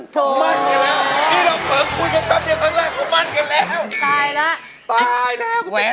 นี่เราเผลอคุยกับตั๊มยกทั้งแรกแล้วเป็นมันกันแล้ว